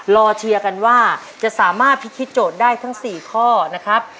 เชียร์กันว่าจะสามารถพิธีโจทย์ได้ทั้ง๔ข้อนะครับ